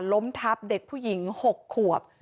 ล้มทับเด็กผู้หญิง๖ขวบ